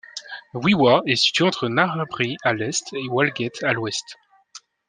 Wee Waa est située entre Narrabri, à l'est, et Walgett, à l'ouest.